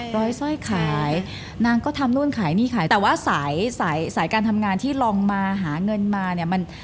ร้อยสร้อยขายนางก็ทำนู่นขายนี่ขายแต่ว่าสายสายการทำงานที่ลองมาหาเงินมาเนี่ยมัน